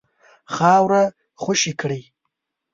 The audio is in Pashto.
خاوره خوشي کړي.